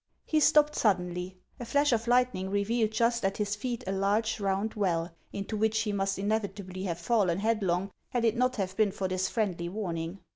He stopped suddenly. A flash of lightning revealed just at his feet a large, round well, into which he must inevitably have fallen headlong had it not have been for this friendly warning.